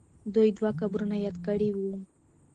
دوی دوه قبرونه یاد کړي وو.